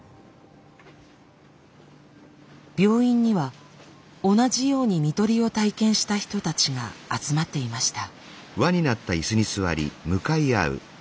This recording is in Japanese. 病院には同じように看取りを体験した人たちが集まっていました。